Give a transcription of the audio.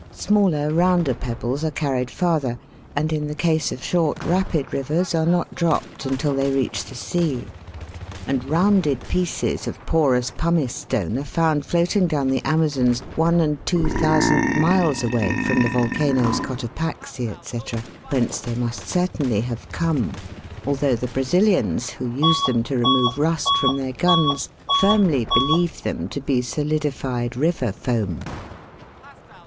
Smaller, rounder pebbles are carried farther, and in the case of short rapid rivers are not dropped until they reach the sea ; and rounded pieces of porous pumice stone are found floating down the Amazons, one and two thousand miles away from the volcanoes Cotopaxi, &c., whence they must certainly have come, although the Brazilians, who use them to remove rust from their guns, firmly believe them to be solidified river foam.